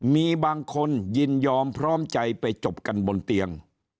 มีบางคนยินยอมพร้อมใจไปจบกันบนเตียง